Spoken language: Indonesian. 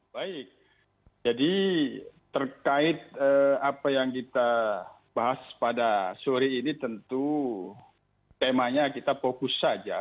baik jadi terkait apa yang kita bahas pada sore ini tentu temanya kita fokus saja